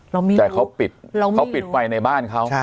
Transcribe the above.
แต่เขาปิดไฟในบ้านเขา